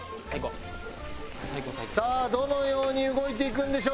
さあどのように動いていくんでしょうか？